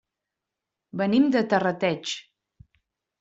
Venim de Terrateig.